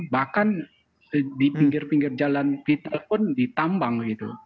bahkan di pinggir pinggir jalan pita pun ditambang